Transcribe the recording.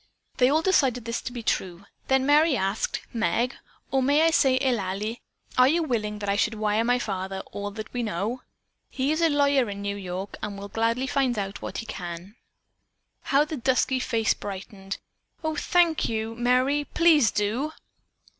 They all decided this to be true. Then Merry asked: "Meg, or may I say Eulalie, are you willing that I should wire my father all that we know? He is a lawyer in New York and be will gladly find out what he can." How the dusky face brightened. "Oh, thank you, Merry. Please do!"